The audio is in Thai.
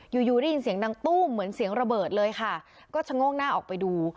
อยู่อยู่ได้ยินเสียงดังตู้มเหมือนเสียงระเบิดเลยค่ะก็ชะโงกหน้าออกไปดู